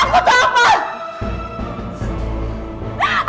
aku pengen oleh kehilangan anak aku